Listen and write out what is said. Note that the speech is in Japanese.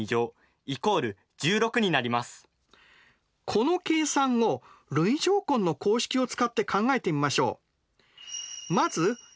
この計算を累乗根の公式を使って考えてみましょう。